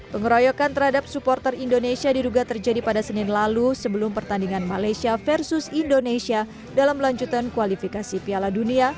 pengeroyokan terhadap suportan indonesia diruga terjadi pada senin lalu sebelum pertandingan malaysia versus indonesia dalam lanjutan kualifikasi piala dunia dua ribu dua puluh dua